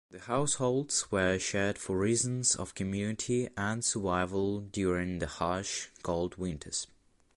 Households were shared for reasons of community and survival during the harsh cold winters.